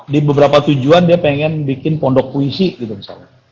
di beberapa tujuan dia pengen bikin pondok puisi gitu misalnya